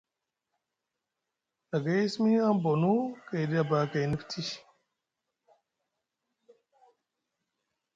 Nagay e simi aŋ bonu gayɗi abakayni afti.